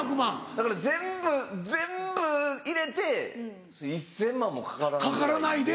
だから全部全部入れて１０００万もかからないぐらいで。